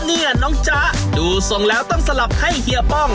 เนี่ยน้องจ๊ะดูทรงแล้วต้องสลับให้เฮียป้อง